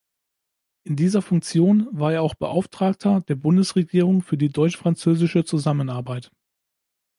In dieser Funktion war er auch Beauftragter der Bundesregierung für die deutsch-französische Zusammenarbeit.